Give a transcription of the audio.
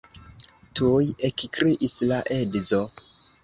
Tuj ekkriis la edzo.